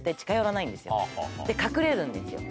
隠れるんですよ。